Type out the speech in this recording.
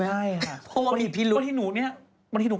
ว้าวขึ้นหนึ่ง